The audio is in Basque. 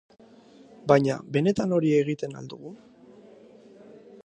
Baina benetan hori egiten al dugu?